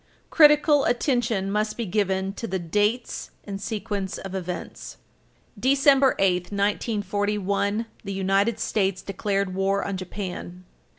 Critical attention must be given to the dates and sequence of events. December 8, 1941, the United States declared war on Japan.